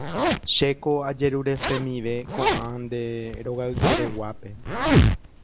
Chéko ajeruresemive ko'ã nde rogaykereguápe